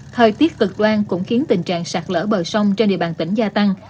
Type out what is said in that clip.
thời tiết cực đoan cũng khiến tình trạng sạt lỡ bờ sông trên địa bàn tỉnh gia tăng